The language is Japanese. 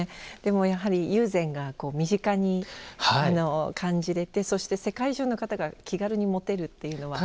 やはり友禅が身近に感じれてそして世界中の方が気軽に持てるというのは。